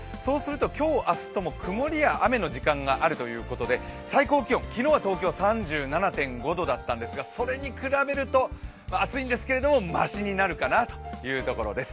今日、明日とも曇りや雨の時間があるということで最高気温、昨日東京は３７．５度だったんですけれども、それに比べると暑いんですけれども、ましになるかなというところです。